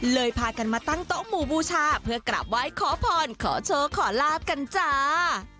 พากันมาตั้งโต๊ะหมู่บูชาเพื่อกราบไหว้ขอพรขอโชคขอลาบกันจ้า